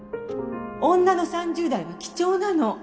女の３０代は貴重なの